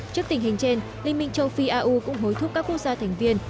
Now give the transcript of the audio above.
trước tình hình trên liên minh châu phi au cũng hối thúc các quốc gia thành viên